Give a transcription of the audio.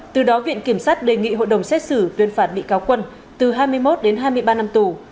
từ đó viện kiểm sát đề nghị hội đồng xét xử tuyên phạt bị cáo quân từ hai mươi một đến hai mươi ba năm tù